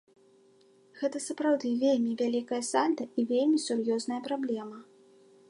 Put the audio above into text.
Гэта сапраўды вельмі вялікае сальда і вельмі сур'ёзная праблема.